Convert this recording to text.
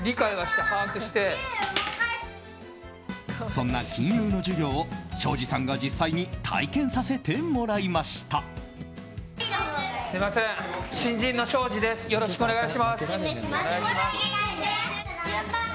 そんな金融の授業を庄司さんが実際に体験させてもらいました。